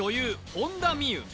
本田望結